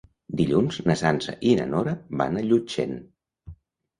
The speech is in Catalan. Dilluns na Sança i na Nora van a Llutxent.